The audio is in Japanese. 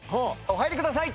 お入りください